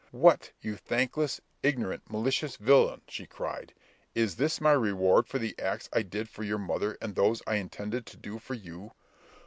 "What, you thankless, ignorant, malicious villain," she cried, "is this my reward for the acts I did for your mother and those I intended to do for you?"